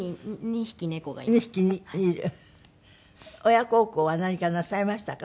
親孝行は何かなさいましたか？